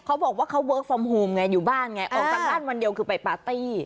เขาบอกว่าเขาเวิร์คฟอร์มโฮมไงอยู่บ้านไงออกจากบ้านวันเดียวคือไปปาร์ตี้